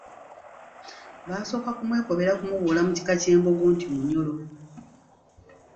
Baasooka kumwekobera kumuboola mu kika ky'Embogo nti Munyoro.